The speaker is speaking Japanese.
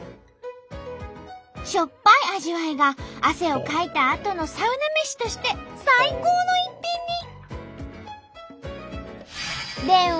しょっぱい味わいが汗をかいたあとのサウナ飯として最高の一品に！